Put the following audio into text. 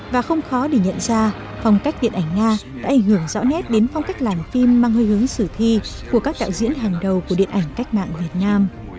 và không khó để nhận ra phong cách điện ảnh nga đã ảnh hưởng rõ nét đến phong cách làm phim mang hơi hướng sử thi của các đạo diễn hàng đầu của điện ảnh cách mạng việt nam